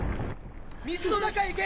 水の中へ行け！